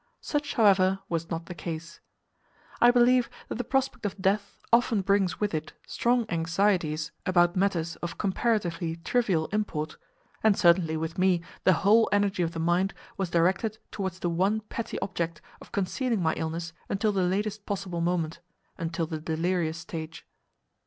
Such, however, was not the case. I believe that the prospect of death often brings with it strong anxieties about matters of comparatively trivial import, and certainly with me the whole energy of the mind was directed towards the one petty object of concealing my illness until the latest possible moment—until the delirious stage.